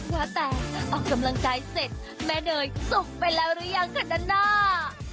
ว่าแต่ออกกำลังกายเสร็จแม่เนยสุกไปแล้วหรือยังคะด้านหน้า